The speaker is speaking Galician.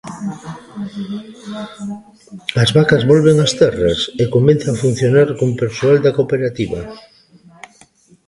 As vacas volven ás terras e comeza a funcionar con persoal da cooperativa.